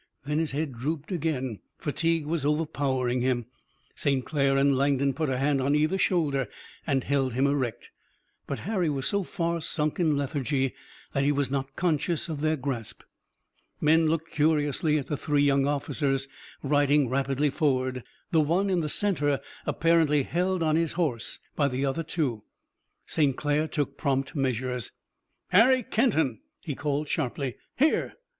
Then his head drooped again. Fatigue was overpowering him. St. Clair and Langdon put a hand on either shoulder and held him erect, but Harry was so far sunk in lethargy that he was not conscious of their grasp. Men looked curiously at the three young officers riding rapidly forward, the one in the center apparently held on his horse by the other two. St. Clair took prompt measures. "Harry Kenton!" he called sharply. "Here!"